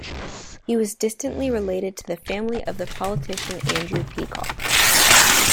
He was distantly related to the family of the politician Andrew Peacock.